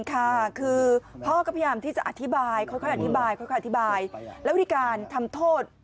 ๕๐๐๐๐ค่ะคือพ่อก็พยายามที่จะอธิบายค่อยอธิบายและวิธีการทำโทษ